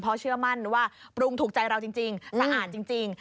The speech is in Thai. เพราะเชื่อมั่นว่าปรุงถูกใจเราจริงสะอาดจริง